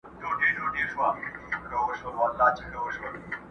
د چا له کوره وشړمه سیوری د شیطان،